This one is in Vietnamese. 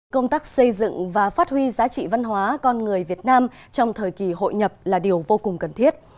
công tác xây dựng và phát huy giá trị văn hóa con người việt nam trong thời kỳ hội nhập là điều vô cùng cần thiết